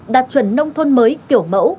đạt chuẩn nông thôn mới kiểu mẫu